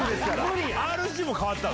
ＲＧも変わったの。